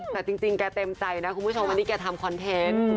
แต่จริงแกเต็มใจนะคุณผู้ชมอันนี้แกทำคอนเทนต์